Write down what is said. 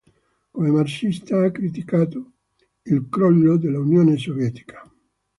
Come marxista ha criticato il crollo dell'Unione Sovietica.